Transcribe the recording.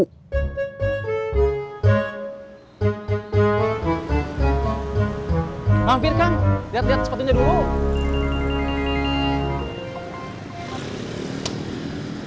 hampir kan lihat lihat sepatunya dulu